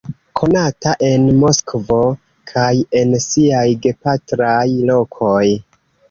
Konata en Moskvo kaj en siaj gepatraj lokoj.